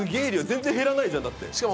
全然減らないじゃん。